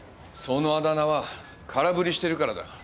そのあだ名は空振りしているからだ。